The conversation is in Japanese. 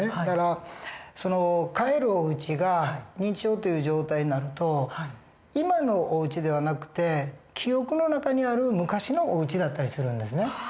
だからその帰るおうちが認知症という状態になると今のおうちではなくて記憶の中にある昔のおうちだったりするんですね。